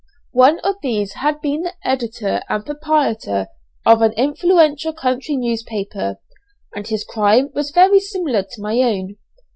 One of these had been the editor and proprietor of an influential country newspaper, and his crime was very similar to my own.